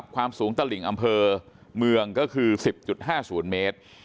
ความสูงตลิ่งอำเภอเมืองก็คือ๑๐๕๐เมตร